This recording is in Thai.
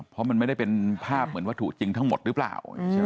เพราะมันไม่ได้เป็นภาพเหมือนวัตถุจริงทั้งหมดหรือเปล่าใช่ไหม